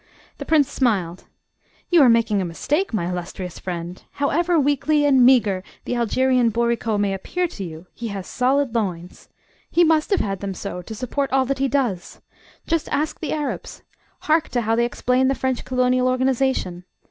The prince smiled. "You are making a mistake, my illustrious friend. However weakly and meagre the Algerian bourriquot may appear to you, he has solid loins. He must have them so to support all that he does. Just ask the Arabs. Hark to how they explain the French colonial organisation.